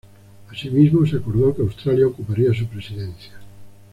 Asimismo se acordó que Australia ocuparía su presidencia.